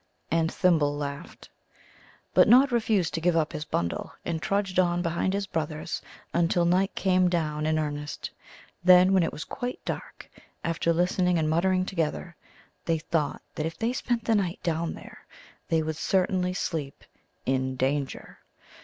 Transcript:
And Thimble laughed. But Nod refused to give up his bundle, and trudged on behind his brothers, until night came down in earnest. Then, when it was quite dark, after listening and muttering together, they thought that if they spent the night down here they would certainly sleep "in danger."